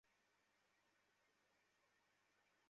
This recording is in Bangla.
গৃহশিক্ষক বের হওয়ার পরপরই তাঁরা দরজা খোলা পেয়ে বাসায় ঢুকে পড়েন।